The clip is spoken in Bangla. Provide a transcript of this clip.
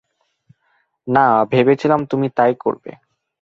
না, ভেবেছিলাম তুমি তাই করবে।